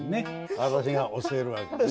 私が教えるわけですね。